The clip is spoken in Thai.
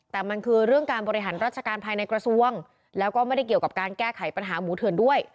แต่มันคือเรื่องการบริหารราชการภายในกระทรวงแล้วก็ไม่ได้เกี่ยวกับการแก้ไขปัญหาหมูเถื่อนด้วย